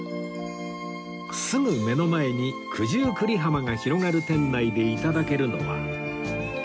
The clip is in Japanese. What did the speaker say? すぐ目の前に九十九里浜が広がる店内で頂けるのは